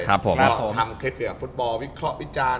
ทำเคล็ดเผื่อฟุตบอลวิเคราะห์วิจารณ์